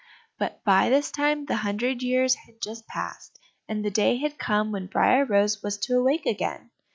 But by this time the hundred years had just passed, and the day had come when Briar rose was to awake again.